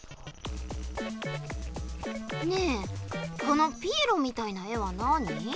ねえこのピエロみたいな絵は何？